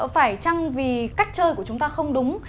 phải chăng vì cách chơi của chúng ta không đúng